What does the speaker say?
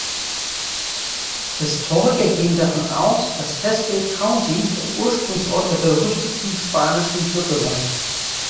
Historiker gehen davon aus, dass Haskell County der Ursprungsort der berüchtigten Spanischen Grippe war.